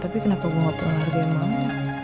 tapi kenapa gue gak percaya mama